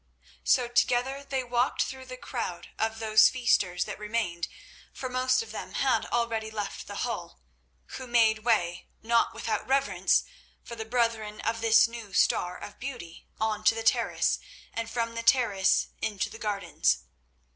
So together they walked through the crowd of those feasters that remained, for most of them had already left the hall, who made way, not without reverence, for the brethren of this new star of beauty, on to the terrace, and from the terrace into the gardens.